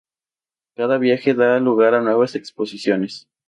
Cada viaje da lugar a nuevas exposiciones.